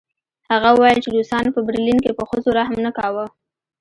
هغه وویل چې روسانو په برلین کې په ښځو رحم نه کاوه